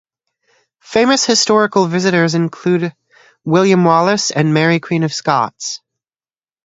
Famous historical visitors include William Wallace and Mary, Queen of Scots.